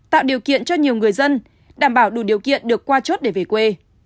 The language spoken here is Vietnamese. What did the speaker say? tạo điều kiện cho nhiều người dân đảm bảo đủ điều kiện được qua chốt để về quê